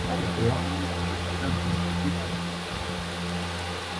Delante, podía incorporar dos asientos individuales o una banqueta de tres plazas.